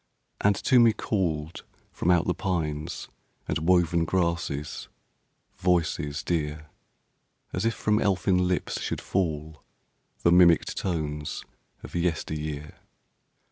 And to me called, from out the pines And woven grasses, voices dear. As if from elfin lips should fall The mimicked tones of yesteryear.